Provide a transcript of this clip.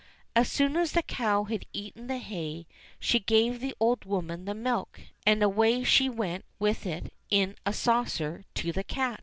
As soon as the cow had eaten the hay, she gave the old woman the milk ; and away she went with it in a saucer to the cat.